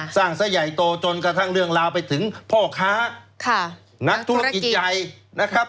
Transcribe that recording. ซะใหญ่โตจนกระทั่งเรื่องราวไปถึงพ่อค้านักธุรกิจใหญ่นะครับ